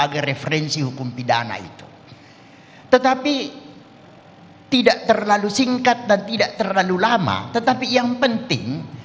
kripto tidak naham dan kripto